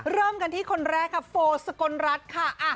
เริ่มกันที่คนแรกค่ะโฟสกลรัฐค่ะ